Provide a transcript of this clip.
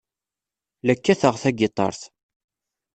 La kkateɣ tagiṭart.